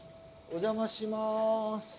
お邪魔します。